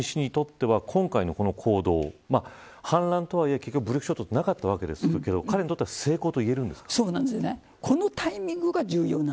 プリゴジン氏にとっては今回のこの行動反乱とはいえ結局武力衝突はなかったわけですが彼にとっては成功といえるんですか。